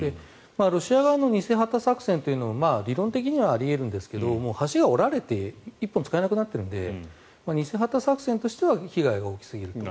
ロシア側の偽旗作戦というのも理論的にはあり得るんですが橋が折られて１本使えなくなっているので偽旗作戦としては被害が大きすぎると。